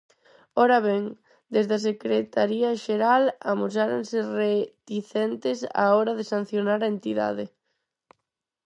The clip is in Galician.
Ora ben, desde a Secretaría Xeral amosáronse reticentes á hora de sancionar a entidade.